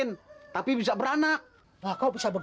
ntar tuh anak bapaknya siap dong